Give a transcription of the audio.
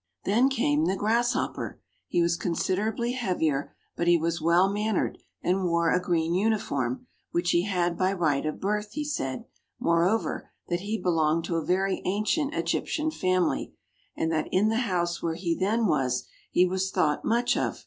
Then came the Grasshopper. He was considerably heavier, but he was well mannered, and wore a green uniform, which he had by right of birth; he said, moreover, that he belonged to a very ancient Egyptian family, and that in the house where he then was, he was thought much of.